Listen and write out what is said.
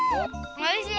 おいしい。